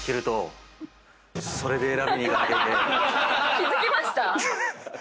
気付きました